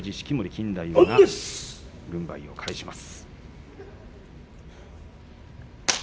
錦太夫が軍配を返します。